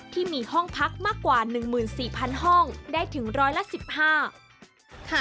ที่มีห้องพักมากกว่า๑๔๐๐ห้องได้ถึงร้อยละ๑๕